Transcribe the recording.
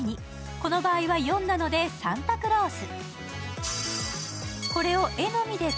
この場合は４なのでサンタクロース。